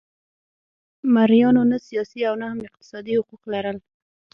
مریانو نه سیاسي او نه هم اقتصادي حقوق لرل.